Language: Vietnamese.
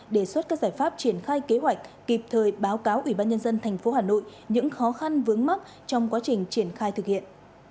đề xuất các giải pháp triển khai kế hoạch kịp thời báo cáo ubnd tp hà nội những khó khăn vướng mắt trong quá trình triển khai thực hiện